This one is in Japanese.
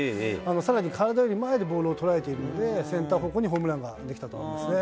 さらに、体より前でボールを捉えているので、センター方向にホームランができたと思いますね。